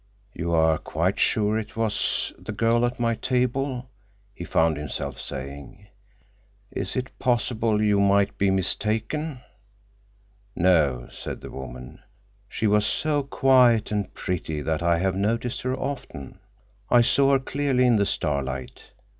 "You are quite sure it was the girl at my table?" he found himself saying. "Is it possible you might be mistaken?" "No," said the woman. "She was so quiet and pretty that I have noticed her often. I saw her clearly in the starlight.